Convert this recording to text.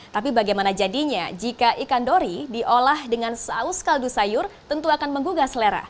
tapi bagaimana jadinya jika ikan dori diolah dengan saus kaldu sayur tentu akan menggugah selera